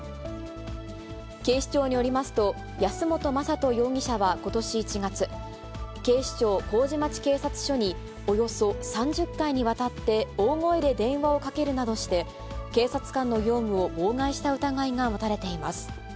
警視庁によりますと、安本雅容疑者はことし１月、警視庁麹町警察署に、およそ３０回にわたって大声で電話をかけるなどして、警察官の業務を妨害した疑いが持たれています。